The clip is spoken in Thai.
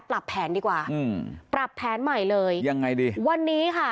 ปรับแผนดีกว่าอืมปรับแผนใหม่เลยยังไงดีวันนี้ค่ะ